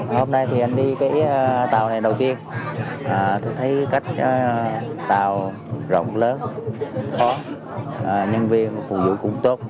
hôm nay thì anh đi cái tàu này đầu tiên tôi thấy cái tàu rộng lớn nhân viên phù vụ cũng tốt